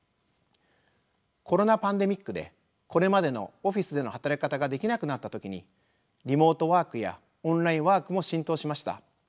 コロナ・パンデミックでこれまでのオフィスでの働き方ができなくなった時にリモートワークやオンラインワークも浸透しました。